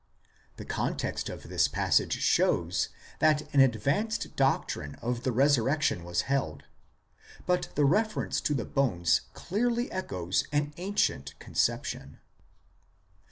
The context of this passage shows that an advanced doctrine of the resurrection was held, but the reference to the bones clearly echoes an ancient conception.